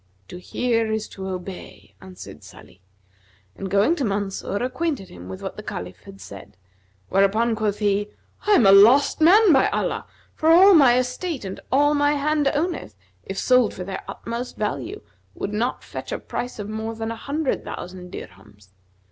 "To hear is to obey," answered Salih and, going to Mansur, acquainted him with what the Caliph had said, whereupon quoth he, "I am a lost man, by Allah; for all my estate and all my hand owneth, if sold for their utmost value, would not fetch a price of more than an hundred thousand dirhams.